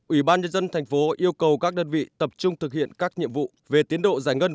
ubnd tp yêu cầu các đơn vị tập trung thực hiện các nhiệm vụ về tiến độ giải ngân